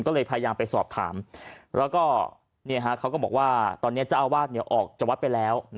ก็เลยพยายามไปสอบถามแล้วก็เขาก็บอกว่าตอนนี้เจ้าอาวาสออกจากวัดไปแล้ว